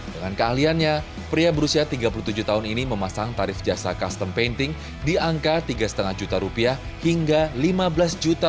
dengan keahliannya pria berusia tiga puluh tujuh tahun ini memasang tarif jasa custom painting di angka tiga lima juta rupiah hingga lima belas juta